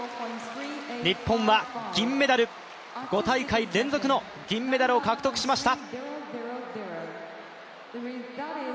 日本は銀メダル、５大会連続の銀メダルを獲得しました。